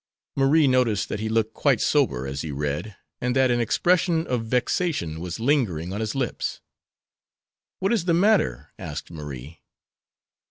Marie noticed that he looked quite sober as he read, and that an expression of vexation was lingering on his lips. "What is the matter?" asked Marie.